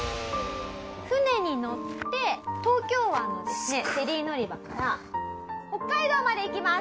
船に乗って東京湾のフェリー乗り場から北海道まで行きます。